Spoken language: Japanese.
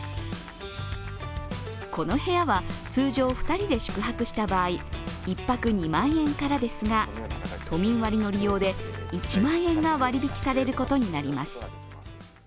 この部屋は、通常２人で宿泊した場合、１泊２万円からですが都民割の利用で１万円が割り引きされることになります。